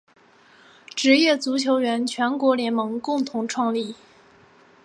职业足球员全国联盟共同创立。